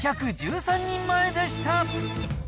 ２１３人前でした。